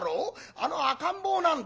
あの赤ん坊なんだ。